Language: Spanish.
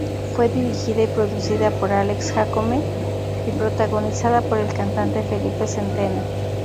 Fue dirigida y producida por Alex Jácome y protagonizada por el cantante Felipe Centeno.